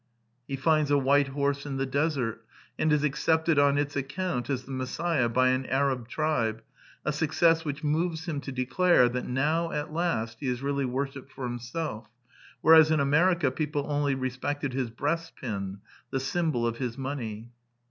He finds a white horse in the desert, and is accepted on its account as the Messiah by an Arab tribe, a success which moves him to declare that now at last he is really worshipped for himself, whereas in America peo ple only respected his breast pin, the symbol of his money.